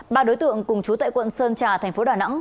ba đối tượng cùng chú tại quận sơn trà thành phố đà nẵng